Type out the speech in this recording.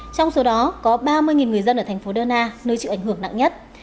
trong số đó có ba mươi người dân ở thành phố đơn a nơi chịu ảnh hưởng nặng nhất